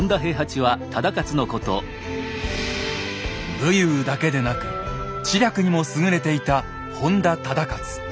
武勇だけでなく知略にも優れていた本多忠勝。